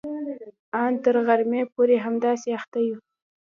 ان تر غرمې پورې همداسې اخته وي.